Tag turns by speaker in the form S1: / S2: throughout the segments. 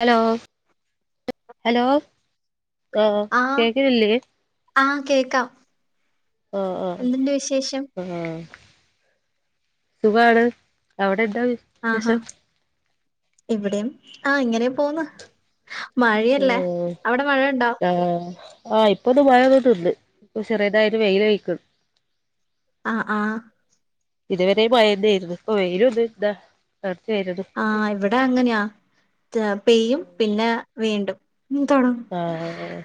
S1: Hello hello ആ
S2: ആഹ്
S1: കേക്ക്നില്ലേ?
S2: ആഹ് കേക്കാം.
S1: ആഹ് അ.
S2: എന്തുണ്ട് വിശേഷം
S1: ആഹ് സുഖാണ് അവിടെ എന്താ വി
S2: ആഹാ ഇവിടെയും ആഹ് ഇങ്ങനെ പോന്ന്. മഴയല്ലേ
S1: മ്
S2: അവിടെ മഴയുണ്ടോ
S1: ആഹ്. ആഹ് ഇപ്പൊന്ന് മയൊന്ന് നിന്ന് ഇപ്പോ ചെറ്‌തായൊര് വെയിലായിക്ക്ന്ന്.
S2: അ ആഹ്.
S1: ഇതുവരെ മയന്നേര്ന്നു ഇപ്പോ വെയിലും ഒന്ന് ന്താ [unintelligible]
S2: ആഹ് ഇവിടെ അങ്ങനെയാ പെയ്യും പിന്നെ വീണ്ടും. ഉം തൊടങ്ങും.
S1: ആഹ്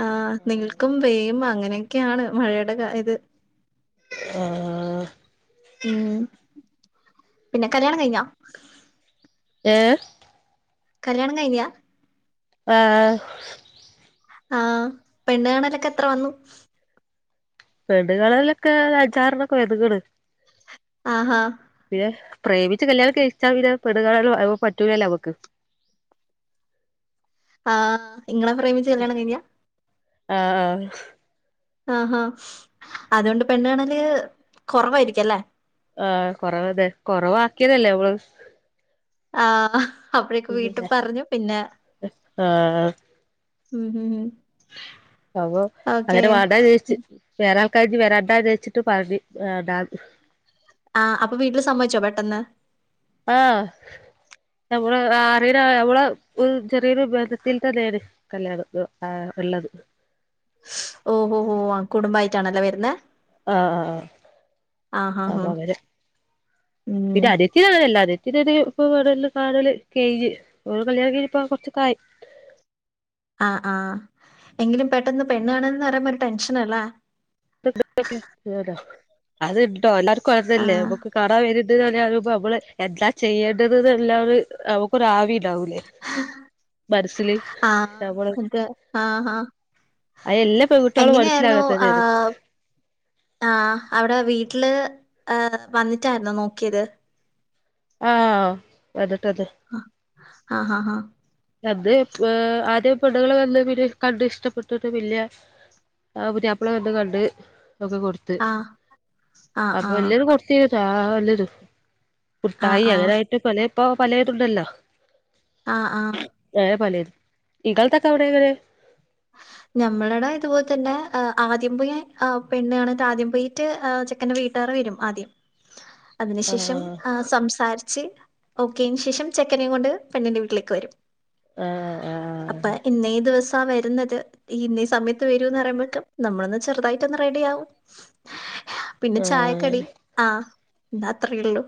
S2: ആ നിൽക്കും പെയ്യും അങ്ങനെയൊക്കെയാണ് മഴയുടെ ഇത്.
S1: ആഹ് ആ.
S2: ഉം പിന്നെ കല്യാണം കയ്ഞ്ഞോ?
S1: ഏ.
S2: കല്യാണം കഴിഞ്ഞ?
S1: ആഹ്.
S2: ആഹ് പെണ്ണുകാണലൊക്കെ എത്ര വന്നു?
S1: പെണ്ണ് കാണാലോകെ അഞ്ചാറണം ഒകെ വന്ന്ക്ണ്.
S2: ആഹാ.
S1: പിന്നെ പ്രേമിച്ച് കല്യാണം കയ്ച്ചാൽ പിന്നെ പെണ്ണ് കാണല് പറ്റൂലല്ലോ അമ്മക്ക്.
S2: ആഹ് ഇങ്ങളെ പ്രേമിച്ച് കല്യാണം കയ്ഞ്ഞ?
S1: ആഹ്.
S2: ആഹാ അതോണ്ട് പെണ്ണ് കാണല് കൊറവായിരിക്കല്ലേ?
S1: ആ കൊറവന്നെ കൊറവാക്കിയതല്ലേ അങ്ങള്.
S2: ആഹ് അപ്പോഴേക്കെ വീട്ടിൽ പറഞ്ഞു പിന്നെ
S1: ആഹ്
S2: ഉം ഉം ഉം ഓക്കേ.
S1: അങ്ങനെ വേണ്ട വിച്ചാരിച്ച് വേറെ ആൾക്കാര് വരണ്ടാന്ന് ചച്ചിട്ട് പറഞ്ഞഞ് വണ്ടാ
S2: ആഹ് അപ്പൊ വീട്ടിൽ സംമ്മതിച്ചോ പെട്ടെന്ന്
S1: ആഹ് നമ്മള് അറിയന നമ്മള ഒരു ചെറിയൊരു ബന്ധത്തിൽ തന്നെയാണ് കല്യാണം ആഹ് ഉള്ളത്
S2: ഓഹോ ഓ കുടുംബമായിട്ടാണല്ലേ വരുന്ന
S1: ആഹ് ആഹ് ആഹ് അകര
S2: ഉം.
S1: പിന്നെ അഹ് [unintelligible]
S2: അ ആ എങ്കിലും പെട്ടന്ന് പെണ്ണ് കാണല്ന്ന് പറയുമ്പോ ഒരു ടെൻഷന്ല്ലേ?
S1: അത്ണ്ടോ എല്ലാർക്കും അങ്ങനെല്ലേ
S2: ആഹ്.
S1: കാണാൻ വരണ്ട് നമ്മള് എന്താ ചെയ്യേണ്ടത് എന്നുള്ളത് ഒരു ആവി ഉണ്ടാവൂലേ മനസ്സിൽ നമ്മൾ
S2: ആഹ് അതെ. ആഹ് ആഹ്.
S1: അത് എല്ലാ പെൺകുട്ടികളും
S2: എങ്ങനെയായിരുന്നു
S1: മനസ്സിലാകാത്തത്ത്
S2: ആഹ് ആഹ് അവിടെ വീട്ടില് വന്നിട്ടായിുന്ന നോക്കിയത്
S1: ആഹ് വന്നിട്ടെന്നെ
S2: ആഹ് ഹ ഹ
S1: അത് ഏഹ് ആദ്യം പെണ്ണുങ്ങൾ വന്ന് പിന്നെ കണ്ട് ഇഷ്ടപ്പെട്ടിട്ട് പിന്നെ ആഹ് പുതിയാപ്പള വന്ന് കണ്ട് ഒക്കെ കൊടുത്ത്
S2: ആഹ്. ആഹ്
S1: അപ്പൊ
S2: ആഹ്.
S1: എല്ലരും കൊടു തീത വല്ലത്
S2: ആഹ്
S1: കുട്ടായി
S2: ആഹ്.
S1: അങ്ങനായിട്ട് പല ഇപ്പോ പലതുണ്ടല്ലോ
S2: ആഹ് ആഹ്
S1: ഏഹ് പറല ഇകൾ തക്കവിടെ
S2: ഞമ്മടെ ആടെ ഇതുപോലെ തന്നെ ആദ്യം പൊയി പെണ്ണണ്ണും എന്നട്ട് ആദ്യം പൊയി ചെക്കന്റെ വീട്ടാർ വരും ആദ്യം അതിന് ശേഷം
S1: ആഹ്
S2: സംസാരി ച് ഓക്കേ ആയെന് ശേഷം ചെക്കനെയും കൊണ്ട് പെണ്ണിന്റെ വീട്ടിലേക്ക് വരും
S1: ആഹ് ആഹ്
S2: അപ്പൊ ഇന്നേ ദിവസ വെ വരുന്നത് ഇന്നീ സമയത്ത് വരൂന്ന് പറയുമ്പോക്കെ നമ്മളൊന്ന് ചെറുതായിട്ടൊന്ന് റെഡി ആവും പിന്നെ
S1: ആഹ്
S2: ചായക്കടി ആഹ് എന്താ അത്രേള്ളു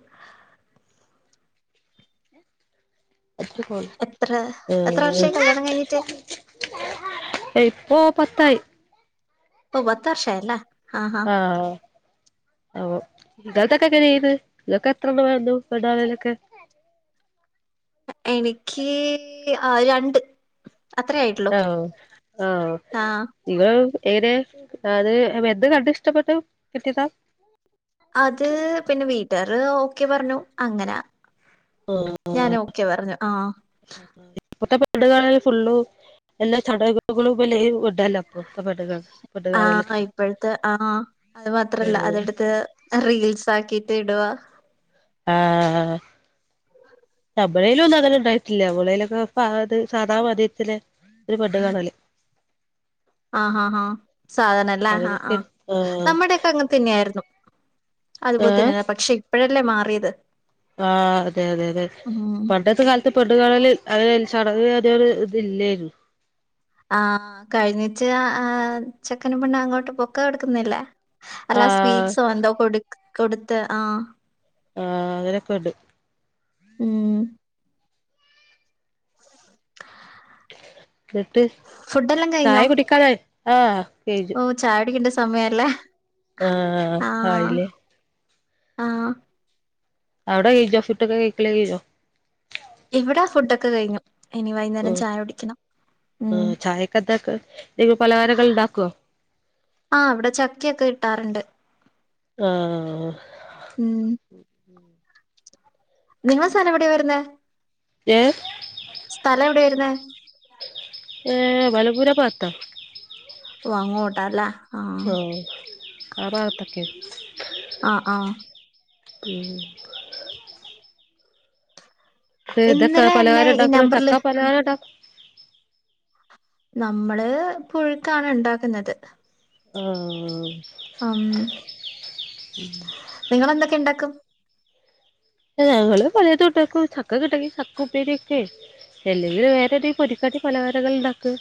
S1: [unintelligible]
S2: എത്ര എത്ര വർഷായി കല്യാണം കഴിഞ്ഞിട്ട്
S1: ഇപ്പോ പത്തായി
S2: ഓഹ് പത്ത് വർഷായി അല്ലേ ആഹ് ആഹ്
S1: ആഹ് ഓഹ് ഇങ്ങക്കൊക്കെ എങ്ങനേർന്ന് ഇങ്ങക്ക് എത്ര എണ്ണം വന്നു പെണ്ണുകാണാലൊക്കെയേ
S2: എനിക്ക് ആഹ് രണ്ട് അത്രേ ആയിട്ടുള്ളൂ
S1: ആഹ് ആഹ് നിങ്ങള് ഏത് അത് എന്ത് കണ്ട് ഇഷ്ടപ്പെട്ടു കെട്ടിയതാ
S2: അത് പിന്നെ വീട്ടുകാര് ഓക്കെ പറഞ്ഞു അങ്ങനാ ഞാൻ ഓക്കെ പറഞ്ഞു ആഹ്
S1: ഇപത്തെ വീടുകണൽ ഫുൾ എല്ലാ ചട ബല ഒഡല്ലപ്പ [unintelligible]
S2: ആഹ് ഇപ്പഴത്തെ ആഹ് അത് മാത്രല്ല
S1: ഉം
S2: അതെടുത്ത് റീൽസ് ആക്കിട്ട് ഇടുവാ
S1: ആഹ് ഞമ്മളയില് ഒന്നും അങ്ങനെ ഉണ്ടായിട്ടില്ല ഞമ്മളയിലൊക്കെ അത് സാധാ മതിയത്തിൽ ഒരു പെണ്ണുകാണല്
S2: [inaudible] ആഹ് ആഹ് ആഹ് സാധരണയല്ലേ ആഹ്
S1: അങ്ങനെയൊക്കെ
S2: ആഹ്
S1: ആഹ്
S2: നമ്മുടെയൊക്കെ അങ്ങനെതന്നെയേ ആയിരുന്നു അതുപോലെ
S1: ഏഹ്
S2: തന്നെയാ പക്ഷെ ഇപ്പഴല്ലേ മാറിയത്
S1: ആഹ് അതെ അത അതെ
S2: ഉം
S1: പണ്ടത്തെ കാല ത്തെ പെണ്ണുകാണൽ അത് ചടങ് അങ്ങനൊരു ഇതില്ലായിരുന്നു
S2: ആഹ് കഴിഞ്ഞിറ്റ് ആഹ് ചെക്കനും പെണ്ണും അങ്ങോട്ട് പൊക്ക കെടക്കുന്നില്ലേ അല്ലാ
S1: ആഹ്
S2: സ്വീറ്റ്സോ എന്തോ കൊടു കൊടുത്ത് ആഹ്
S1: ആഹ് അങ്ങനെ പെടും-
S2: മ് -
S1: ന്ന്ട്ട്
S2: ഫുഡെല്ലാം
S1: ചായ കുടിക്കാനയോ ആഹ് ശ
S2: ഓഹ് ചായ കുടിക്കണ്ട സമയല്ലാ-
S1: ആഹ് അഹ് ആയില്ലേ-
S2: ആഹ്-
S1: അവിടെ [unintelligible]
S2: ഇവടേ ഫുടൊക്കെ കയിഞ്ഞു- ഇനി വൈന്നേരം
S1: ഉം
S2: ചായ കുടിക്കണം
S1: ആഹ്
S2: ഉം-
S1: ചായക്കെന്താക്ക എന്തെങ്കിലും പലഹാരങ്ങൾ ണ്ടാക്കോ
S2: ആഹ് ഇവിടെ ചക്കയൊക്കെ കിട്ടാറുണ്ട്-
S1: ആഹ്
S2: ഉം നിങ്ങളെ സലം എവിടെയ വരുന്നെ
S1: ഏഹ്
S2: സ്ഥലം എവിടെയ വരുന്നേ
S1: ഏഹ് വലപൂര ഭാത്ത
S2: ഓഹ് അങ്ങോട്ടാല്ലേ ആഹ്-
S1: ഏഹ് - ആറാവത്തക്കെ-
S2: ആഹ് ആഹ്
S1: [inaudible] ഇതക്ക
S2: ഇന്നലെ എന്നെ
S1: പലഹാര
S2: ഈ നമ്പറില്
S1: ഇണ്ടാക്കുന്നചക്കാ പലഹാര ഇണ്ടാക്കുന്ന
S2: നമ്മള് പുഴുക്കാണ് ഇണ്ടാക്കുന്നത്-
S1: ആഹ്
S2: ഉം നിങ്ങളെന്തെക്കെ ഇണ്ടാക്കും-
S1: ഞങ്ങള് പലേതു ഉണ്ടാക്കും ചക്ക കിട്ടൂങ്കി ചക്ക ഉപ്പേരിയൊക്കെ- അല്ലെങ്കിലും വേറെ രീതി പൊരിക്കാട്ടി പലഹാരകൾ ഉണ്ടാക്ക്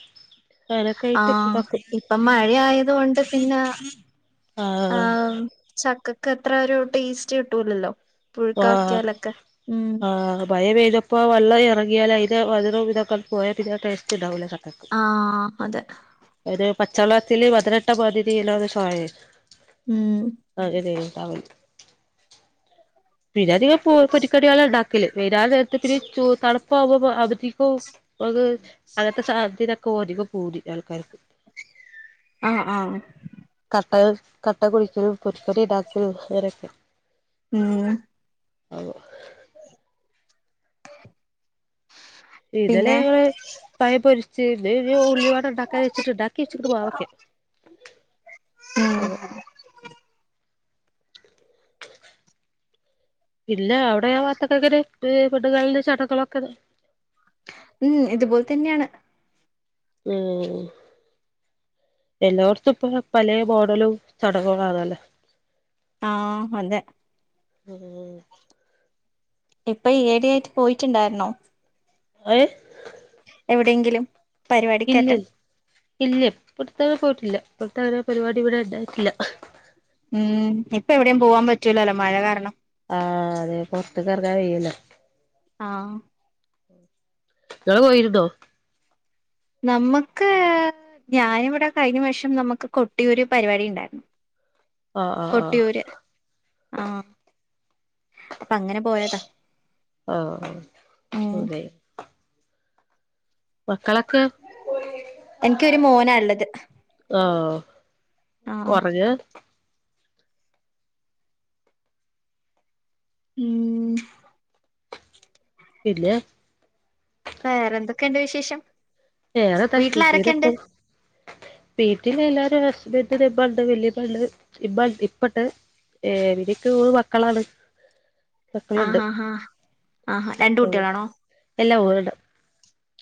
S1: അനൊക്കെ
S2: ആ
S1: ആയിട്ട് ഇതാക്കും
S2: ഇപ്പം മഴയായത് കൊണ്ട് പിന്നെ
S1: ആഹ്
S2: ചക്കക്കത്ര ഒരു ടേസ്റ്റ് കിട്ടൂലല്ലോ പുഴുക്കാക്കിയാലൊക്കെ ഉം-
S1: മയ പെയ്തപ്പോൾ വള്ളം എറങ്ങിയാലതിൻ്റെ മധുരോം ഇതൊക്കെ പോയാൽ പിന്നെ ടേസ്റ്റ് ഉണ്ടാവില്ലേ ചക്കക്ക്-
S2: ആഹ് അതെ
S1: ഒരു പച്ചവള്ളത്തിൽ മതിരിട്ട പോലെ [unintelligible]
S2: ഉം
S1: [unintelligible] പിന്നധികം- പൊരിക്കടികള ഉണ്ടാക്കല് വെനാല നേരത്ത് പിന്നെ തണുപ്പ ആവ്പ അവധിക്കോ അത് അങ്ങനത്തെ സാധതതൊക്കെ ഓധിക പോതി ആൾക്കാർക്ക്
S2: ആഹ് ആഹ്
S1: കട്ടകൾ കട്ട കുടിക്കും പൊരിക്കൊടി ഇടാക്കും അരൊക്കെ
S2: ഉം
S1: ആവോ ഇതലേ
S2: പിന്നെ
S1: പയം പൊരിച്ച് ഉള്ളിവാട ഉണ്ടാക്കാ വെച്ചിട്ട് ഇണ്ടാക്കി വെച്ചിട്ട് പോവൊക്കെ
S2: ഉം
S1: ആഹ് ഇല്ല അവിടെയാ ഭാത്തക്കൊക്ക വീടുകളന്റെ ചടകളൊക്കെ
S2: ഉം ഇതുപോലെ തന്നെയാണ്
S1: മ്ഹ് - എല്ലാടത്തും ഇപ്പ പലയ ബോഡലും ചടങ്ങുകളാണല്ലേ
S2: ആഹ് അതെ
S1: ആഹ്
S2: ഇപ്പൊ ഏടി ആയിട്ട് പോയിട്ടുണ്ടായിരുന്നോ
S1: [unintelligible]
S2: എവിടെങ്കിലും
S1: ഇല്ല്യ ഇല്ല്യ ഇപ്പട്ത്തെ പോയിട്ടില്ല ഇപ്പൾത്തോരോ പരിപാടി ഇവിടെ ഇണ്ടായിട്ടില്ല
S2: ഉം ഇപ്പ എവിടെയും പോവാൻ പറ്റൂലല്ലോ മഴ കാരണം
S1: ആഹ് അതെ പൊറത്തക്കെറങ്ങാൻ കെയ്യുലാ
S2: ആഹ്
S1: ഇങ്ങള് പോയിരുന്നൊ?
S2: നമ്മക്ക് ഞാനിവിടെ കഴിഞ്ഞ വേഷം നമുക്ക് കൊട്ടിയ ഒരു പരിപാടി ഉണ്ടായിരുന്നു
S1: ആഹ് ആഹ്
S2: കൊട്ടിയൂര് ആഹ് അപ്പങ്ങനെ പോയതാ
S1: ഓഹ്
S2: ഉം
S1: സുബയ് മക്കളൊക്കെ
S2: എൻക്കൊരു മോനാളെളത്
S1: ആഹ് കൊറഞെ
S2: ഉം
S1: ഇല്ല
S2: വേറെ എന്തെക്കെണ്ട് വിശേഷം
S1: വെറെന്താ [unintelligible]
S2: വീട്ടിൽ ആരൊക്കെയുണ്ട്
S1: വീട്ടിലെല്ലാരും ഹസ്ബഡണ്ടിന്റെ ഇമ്മണ്ട് വല്യമ്മെണ്ട് ഇമ്മ ഇപ്പണ്ട് ഏഹ് ഇവരിക്ക് മൂന്ന് മക്കളാണ് മക്കളുണ്ട്
S2: ആഹ് ആഹ് ആഹ് ആഹാ രണ്ട്
S1: ആഹ്
S2: കുട്ടികളാണോ
S1: എല്ലാ മൂന്നെണ്ണം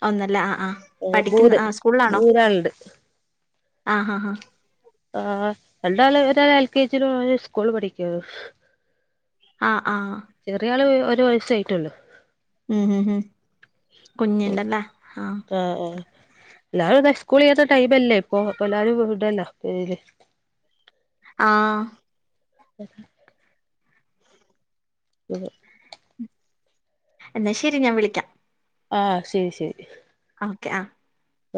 S2: ഒന്നല്ല ആഹ് ആഹ് പഠിക്കുന്ന
S1: മൂന്ന്
S2: ആഹാ സ്കൂൾലാണോ
S1: മൂന്നാളുണ്ട്
S2: ആഹ ഹ ഹാ
S1: ആഹ് ഹ്‌ രണ്ടാള് ഒരാള് എൽ കെ ജിലും ഒരാള് സ്കൂൾ പഠിക്കുവാ
S2: ആഹ് ആഹ്
S1: ചെറിയാള് ഒ ഒരു വയാസെയിട്ടൊള്ളു
S2: ഉം ഹം ഉം കുഞ്ഞിണ്ടല്ലെ ആഹ്
S1: ആഹ് ആഹ് എല്ലാവാരും തെ സ്കൂൾ ചെയ്യാത്തടൈംല്ലേ ഇപ്പൊ അപ്പ എല്ലരും ഉണ്ടല്ലോ
S2: ആഹ്
S1: [inaudible] [inaudible]
S2: എന്ന ശെരി ഞാൻ വിളിക്കാം
S1: ആഹ് ശെരി ശെരി
S2: ഓക്കെ ആഹ്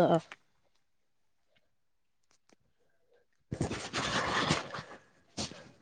S1: ആഹ് [inaudible]